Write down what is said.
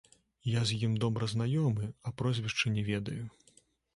Я з ім добра знаёмы, а прозвішча не ведаю.